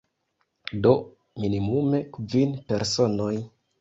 Do, minimume kvin personoj.